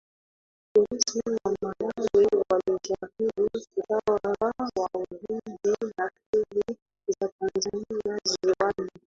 polisi wa malawi walijaribu kutawala wavuvi na feri za tanzania ziwani